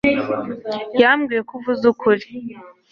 yambwiye ko uvuze ukuri